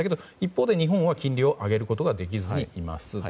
日本は金利を上げることができずにいます。